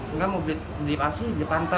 enggak mau beli beli apa sih jepantan